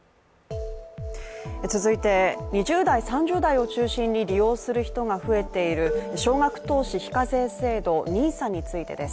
続いて、２０３０代を中心に利用する人が増えている少額投資非課税制度、ＮＩＳＡについてです。